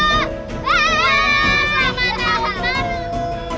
yeay selamat tahun baru